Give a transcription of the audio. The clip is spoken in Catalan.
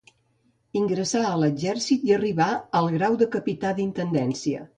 Ingressà a l'exèrcit i arribà al grau de capità d'intendència.